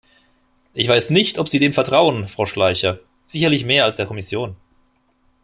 Ich weiß nicht, ob Sie dem vertrauen, Frau Schleicher, sicherlich mehr als der Kommission.